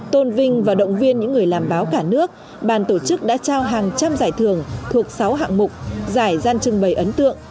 tôn vinh và động viên những người làm báo cả nước bàn tổ chức đã trao hàng trăm giải thưởng thuộc sáu hạng mục giải gian trưng bày ấn tượng